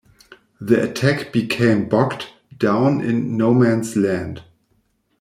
The attack became bogged down in no man's land.